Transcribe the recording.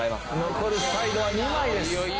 残るサイドは２枚です。